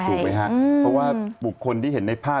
ถูกไหมครับเพราะว่าบุคคลที่เห็นในภาพ